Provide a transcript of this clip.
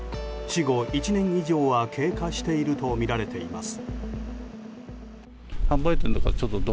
死後１年以上は経過しているとみられています。